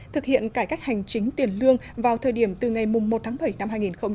thực hiện cải cách hành chính tiền lương vào thời điểm từ ngày một tháng bảy năm hai nghìn hai mươi